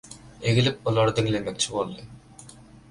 Egilip olary diňlemekçi boldy.